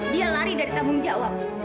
dia lari dari tanggung jawab